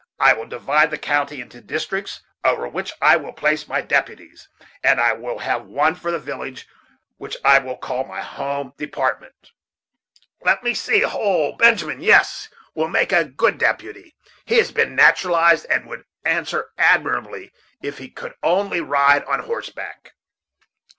I will divide the county into districts, over which I will place my deputies; and I will have one for the village, which I will call my home department. Let me see ho! Benjamin! yes, Benjamin will make a good deputy; he has been naturalized, and would answer admirably if he could only ride on horseback."